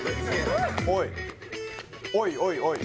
おいっおいおい